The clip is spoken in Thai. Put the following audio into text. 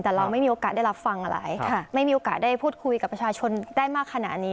แต่เราไม่มีโอกาสได้รับฟังอะไรไม่มีโอกาสได้พูดคุยกับประชาชนได้มากขนาดนี้